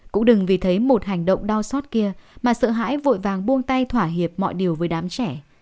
cũng đừng vì thấy một hành động đau xót kia mà sợ hãi vội vàng buông tay thỏa hiệp mọi điều với đám trẻ